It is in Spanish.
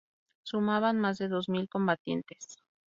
Sumaban más de dos mil combatientes.